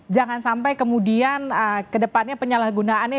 jangan sampai kemudian kedepannya penyalahgunaannya